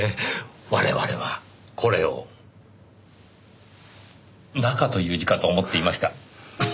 我々はこれを「中」という字かと思っていました。